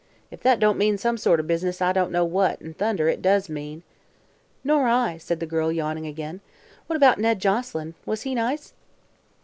If that don't mean some sort o' business, I don't know what'n thunder it does mean." "Nor I," said the girl, yawning again. "What about Ned Joselyn? Was he nice?"